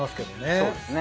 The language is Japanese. そうですね。